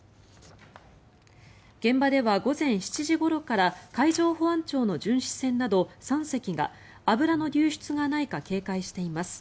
現場では午前７時ごろから海上保安庁の巡視船など３隻が油の流出がないか警戒しています。